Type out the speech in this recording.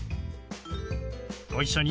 ご一緒に。